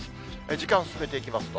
時間進めていきますと。